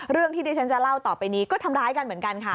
เรื่องที่ดิฉันจะเล่าต่อไปนี้ก็ทำร้ายกันเหมือนกันค่ะ